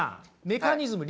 メカニズム